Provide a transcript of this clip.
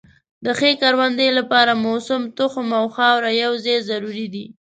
د ښې کروندې لپاره موسم، تخم او خاوره یو ځای ضروري دي.